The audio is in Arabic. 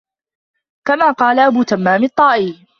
كَمَا قَالَ أَبُو تَمَّامٍ الطَّائِيُّ